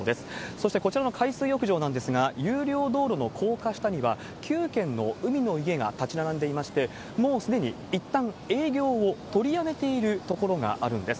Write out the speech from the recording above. そしてこちらの海水浴場なんですが、有料道路の高架下には９軒の海の家が立ち並んでいまして、もうすでにいったん営業を取りやめているところがあるんです。